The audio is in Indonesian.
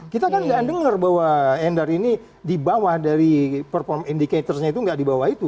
kita kan nggak dengar bahwa endar ini di bawah dari perform indicatorsnya itu nggak di bawah itu